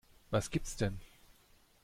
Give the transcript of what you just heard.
Was gibt's denn?